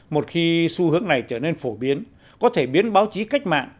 một khi xu hướng này trở nên phổ biến có thể biến báo chí cách mạng